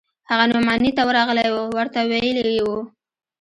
هغه نعماني ته ورغلى و ورته ويلي يې و.